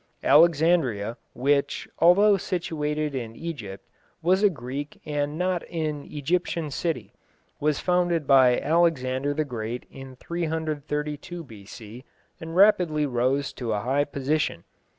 Alexandria, which, although situated in Egypt, was a Greek and not an Egyptian city, was founded by Alexander the Great in 332 B.C., and rapidly rose to a high position.